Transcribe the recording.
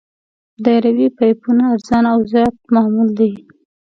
دایروي پایپونه ارزانه او زیات معمول دي